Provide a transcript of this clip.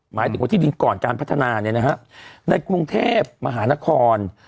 หมายถึงว่าที่ดินก่อนการพัฒนาในกรุงเทพมหานคร